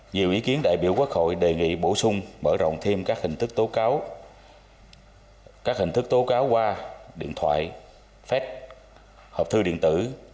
nhiều ý kiến đại biểu quốc hội đề nghị bổ sung mở rộng thêm các hình thức tố cáo qua điện thoại phép hợp thư điện tử